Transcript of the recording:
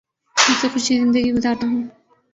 ہنسی خوشی زندگی گزارتا ہوں